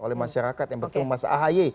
oleh masyarakat yang bertemu mas ahy